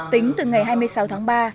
tính từ ngày hai mươi sáu tháng ba